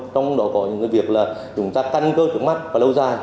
trong đó có những việc là chúng ta căn cơ trước mắt và lâu dài